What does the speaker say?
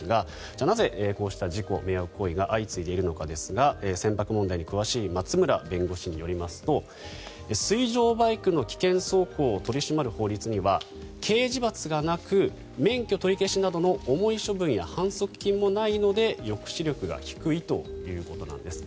じゃあなぜ、こうした事故、迷惑行為が相次いでいるのかですが船舶問題に詳しい松村弁護士によりますと水上バイクの危険走行を取り締まる法律には刑事罰がなく免許取り消しなどの重い処分や反則金もないので抑止力が低いということです。